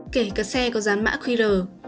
kể cả xe có dán mã qr